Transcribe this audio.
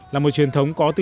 là một truyền thống có kết quả